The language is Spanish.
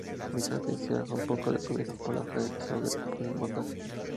Dichas necesidades son poco cubiertas por los egresados del polimodal.